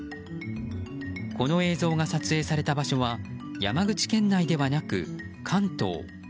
この映像が撮影された場所は山口県内ではなく関東。